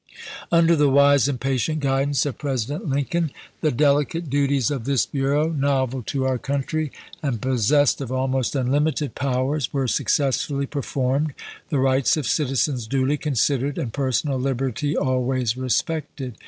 Under the wise and patient guidance of President Lincoln the delicate duties of this bureau, novel to our country, and possessed of almost unlimited powers, were successfully per formed, the rights of citizens duly considered, and personal liberty always respected.